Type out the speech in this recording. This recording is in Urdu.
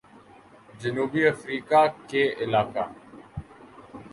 جنوبی افریقہ کے علاقہ